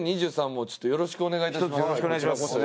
こちらこそよろしくお願いいたします。